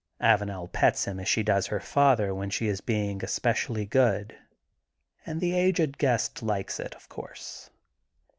Avanel pets him as she does her father when she is being especially good, and the aged guest likes it, of course.